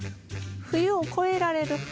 冬を越えられる花。